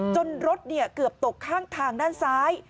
จนรถเกือบตกข้างทางด้านซ้าย